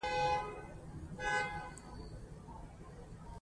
مړی یې ښخ کړه.